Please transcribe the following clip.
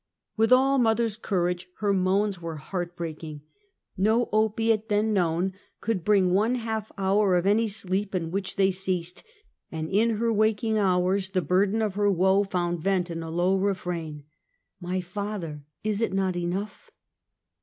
With all mother's courage, her moans were heart breaking, No opiate then known could bring one half hour of any sleep in which they ceased, and in her waking hours the burden of her woe found vent in a low refrain: " My Father! is it not enough?"